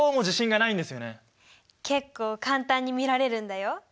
結構簡単に見られるんだよ。